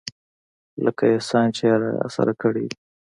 لکه احسان چې يې راسره کړى وي.